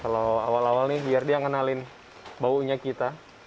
kalau awal awal nih biar dia ngenalin baunya kita